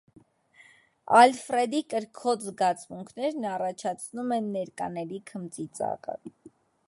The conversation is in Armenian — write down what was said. Ալֆրեդի կրքոտ զգացմունքներն առաջացնում են ներկաների քմծիծաղը։